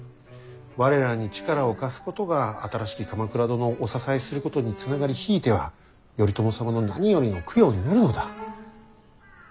我らに力を貸すことが新しき鎌倉殿をお支えすることに繋がりひいては頼朝様の何よりの供養になるのだ。